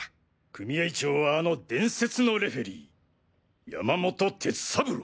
組合長はあの伝説のレフェリー山本鉄三郎。